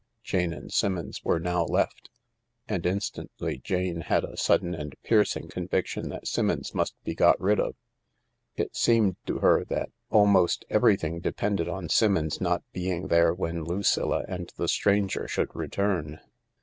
Jane and Simmons were now left. And instantly Jane had a sudden and piercing conviction that Simmons must be got rid of. It seemed to her that almost everything depended on Simmons' not being there when Lucilla and the stranger should return.